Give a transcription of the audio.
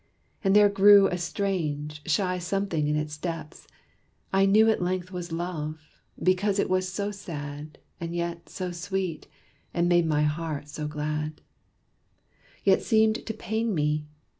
And there grew A strange, shy something in its depths, I knew At length was love, because it was so sad, And yet so sweet, and made my heart so glad, Yet seemed to pain me.